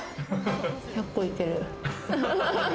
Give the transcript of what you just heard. １００個行ける！